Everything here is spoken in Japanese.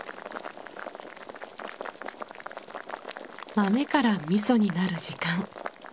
豆から味噌になる時間。